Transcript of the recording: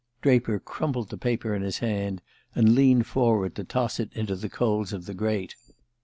Draper crumpled the paper in his hand, and leaned forward to toss it into the coals of the grate.